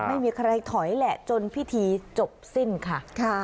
ไม่มีใครถอยแหละจนพิธีจบสิ้นค่ะ